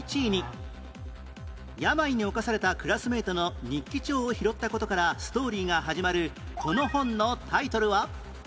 病に侵されたクラスメートの日記帳を拾った事からストーリーが始まるこの本のタイトルは？